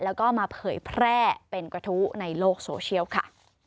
แล้วก็มาเผยแพร่เป็นกระทู้ในโลกโซเชียลค่ะ